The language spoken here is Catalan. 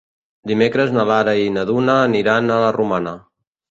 Dimecres na Lara i na Duna aniran a la Romana.